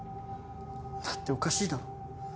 だっておかしいだろ？